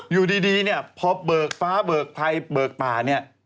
อยู่ดีพอเบิกฟ้าเบิกไพรเบิกป่า